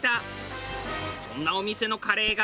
そんなお店のカレーが。